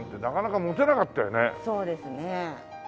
そうですね。